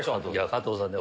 加藤さんね